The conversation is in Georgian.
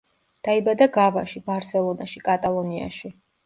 დაიბადა გავაში, ბარსელონაში, კატალონიაში.